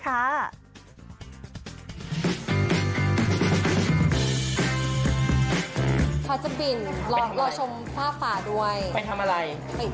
เขาจะบินลอลอชมภาพป่าด้วยเป็นทำอะไร